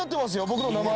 僕の名前